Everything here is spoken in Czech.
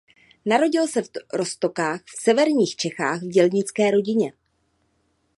Narodil se v Roztokách v severních Čechách v dělnické rodině.